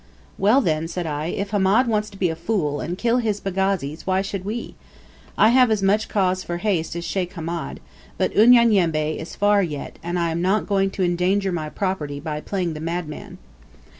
"Well, then," said I, "if Hamed wants to be a fool, and kill his pagazis, why should we? I have as much cause for haste as Sheikh Hamed; but Unyanyembe is far yet, and I am not going to endanger my property by playing the madman."